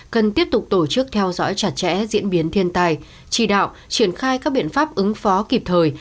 cần tiếp tục tổ chức theo dõi chặt chẽ diễn biến thiên tài chỉ đạo triển khai các biện pháp ứng phó kịp thời